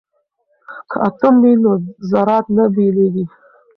که اټوم وي نو ذرات نه بېلیږي.